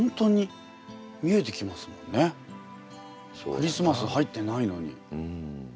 クリスマス入ってないのに。